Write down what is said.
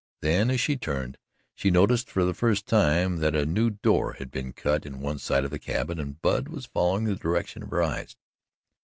Then as she turned, she noticed for the first time that a new door had been cut in one side of the cabin, and Bub was following the direction of her eyes.